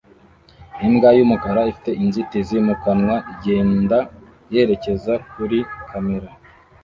Imbwa yumukara ifite inzitizi mu kanwa igenda yerekeza kuri kamera